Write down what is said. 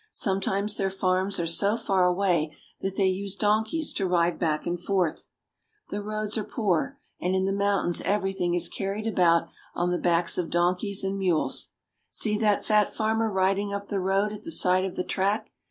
Sometimes their farms are so far away that they use donkeys to ride back and forth. The roads are poor, and in the moun tains everything is carried about on the S!r^*w, — a donkey carrying two little boys. 430 SPAIN. backs of donkeys and mules. See that fat farmer riding up the road at the side of the track